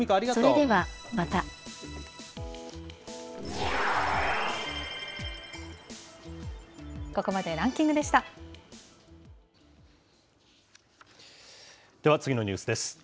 では次のニュースです。